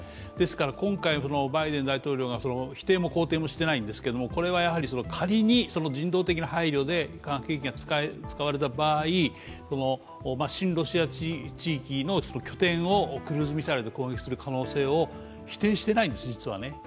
今回のバイデン大統領が否定も肯定もしてないんですけどこれは仮に人道的な配慮で化学兵器が使われた場合、親ロシア地域の拠点をクルーズミサイルで攻撃する可能性を否定してないんです、実はね。